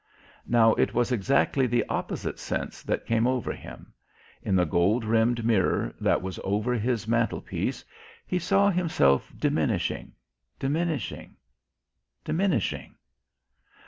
Now it was exactly the opposite sense that came over him. In the gold rimmed mirror that was over his mantlepiece he saw himself diminishing, diminishing, diminishing